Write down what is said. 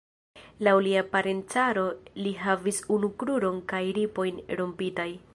Laŭ lia parencaro, li havis unu kruron kaj ripojn rompitaj.